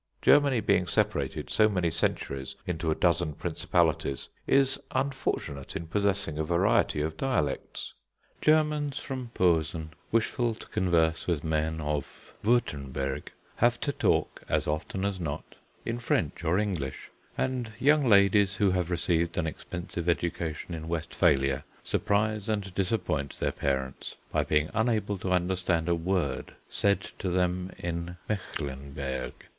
Germany being separated so many centuries into a dozen principalities, is unfortunate in possessing a variety of dialects. Germans from Posen wishful to converse with men of Wurtemburg, have to talk as often as not in French or English; and young ladies who have received an expensive education in Westphalia surprise and disappoint their parents by being unable to understand a word said to them in Mechlenberg.